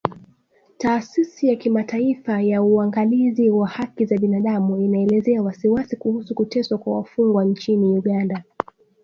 Taasisi ya Kimataifa ya Uangalizi wa Haki za Binaadamu inaelezea wasiwasi kuhusu kuteswa kwa wafungwa nchini Uganda